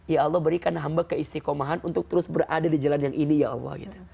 ya allah berikan hamba keistikomahan untuk terus berada di jalan yang ini ya allah gitu